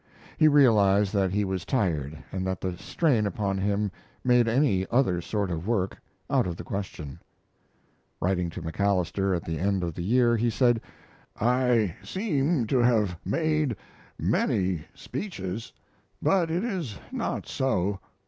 He realized that he was tired and that the strain upon him made any other sort of work out of the question. Writing to MacAlister at the end of the year, he said, "I seem to have made many speeches, but it is not so.